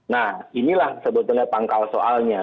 nah inilah sebetulnya pangkal soalnya